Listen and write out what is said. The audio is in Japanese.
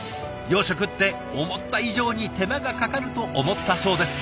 養殖って思った以上に手間がかかると思ったそうです。